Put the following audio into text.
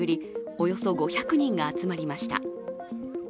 およそ５００人が集まりました。